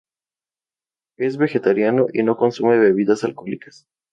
Es vegetariano y no consume bebidas alcohólicas.